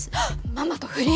ママと不倫！？